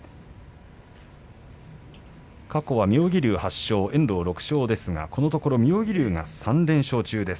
過去は妙義龍８勝、遠藤６勝ですがこのところ妙義龍が３連勝中です。